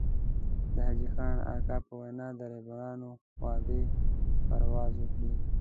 د حاجي خان اکا په وينا د رهبرانو وعدې پرواز وکړي.